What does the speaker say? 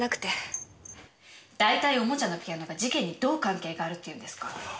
大体おもちゃのピアノが事件にどう関係があるって言うんですか。